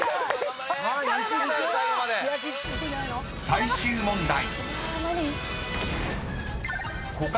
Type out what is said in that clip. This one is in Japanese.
［最終問題］